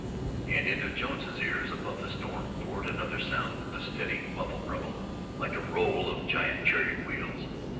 And into Jones's ears, above the storm, poured another sound, a steady, muffled rumble, like the roll of giant chariot wheels.